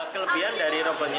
kelebihan dari robotnya